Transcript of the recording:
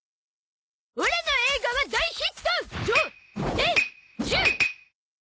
オラの映画は大ヒット